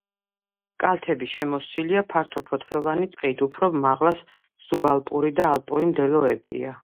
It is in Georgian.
კალთები შემოსილია ფართოფოთლოვანი ტყით; უფრო მაღლა სუბალპური და ალპური მდელოებია.